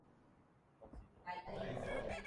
Nañandearéiarã tapicha hetahápe.